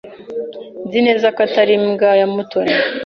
Nzi neza ko atari imbwa ya Mutoni.